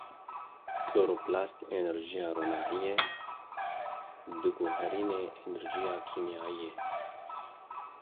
Kloroplast enerjiya ronahiyê diguherîne enerjiya kîmyayê